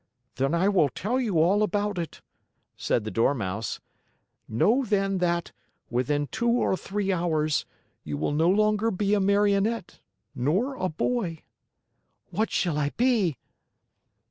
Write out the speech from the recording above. "Then I will tell you all about it," said the Dormouse. "Know then that, within two or three hours, you will no longer be a Marionette, nor a boy." "What shall I be?"